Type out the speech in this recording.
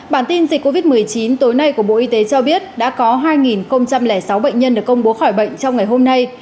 bản tin dịch covid một mươi chín tối nay của bộ y tế cho biết đã có hai sáu bệnh nhân được công bố khỏi bệnh trong ngày hôm nay